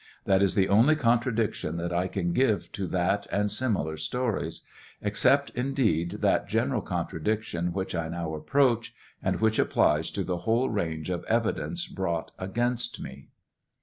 That is the only contradiction that I can give to that and similar stories ; except indeed that general contradiction which I now approach, and which applies to the whole range of evidence brought against me.